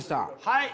はい。